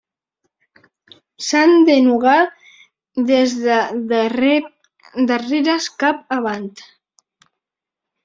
S'han de nugar des de darrere cap avant.